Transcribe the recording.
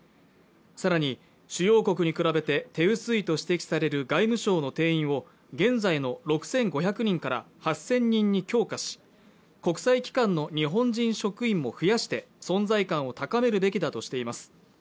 さらに主要国に比べて手薄いと指摘される外務省の定員を現在の６５００人から８０００人に強化し国際機関の日本人職員も増やして存在感を高めるべきだとしています